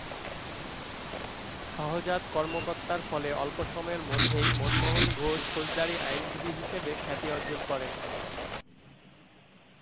সহজাত কর্মদক্ষতার ফলে অল্প সময়ের মধ্যেই মনমোহন ঘোষ ফৌজদারি আইনজীবী হিসেবে খ্যাতি অর্জন করেন।